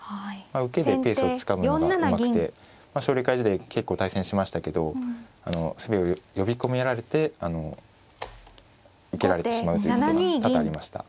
受けでペースをつかむのがうまくて奨励会時代結構対戦しましたけど攻めを呼び込められて受けられてしまうということが多々ありました。